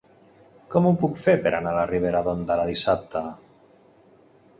Com ho puc fer per anar a Ribera d'Ondara dissabte?